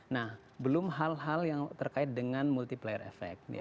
nah belum hal hal yang terkait dengan multiplier effect